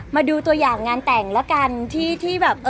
มาดูตัวอย่างงานแต่งแล้วกันที่แบบ